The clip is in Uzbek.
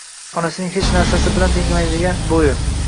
Onasining hech narsa bilan tenglanmaydigan bo‘yi